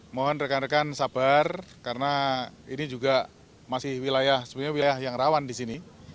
mohon rekan rekan sabar karena ini juga masih wilayah sebenarnya wilayah yang rawan di sini